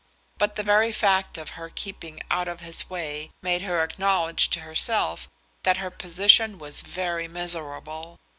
But the very fact of her keeping out of his way, made her acknowledge to herself that her position was very miserable.